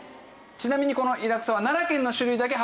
ちなみにこのイラクサは奈良県だけ？